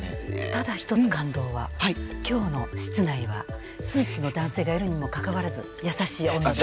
ただ一つ感動は今日の室内はスーツの男性がいるにもかかわらず優しい温度です。